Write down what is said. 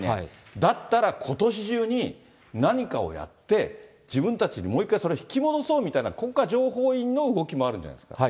だったら、ことし中に何かをやって、自分たちにもう一回、それを引き戻そうみたいな、国家情報院の動きもあるんじゃないですか。